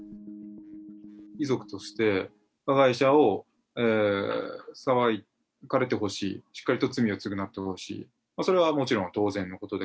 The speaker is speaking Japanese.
遺族として、加害者を、裁かれてほしい、しっかりと罪を償ってほしい、それはもちろん、当然のことで。